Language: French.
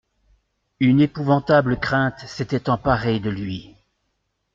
Une épouvantable crainte s'était emparée de lui.